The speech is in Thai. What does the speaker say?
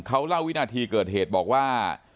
เขาเล่าวินาทีเกิดเหตุบอกว่า